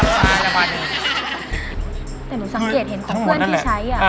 ซัมซุงทั้งหมดนะดิ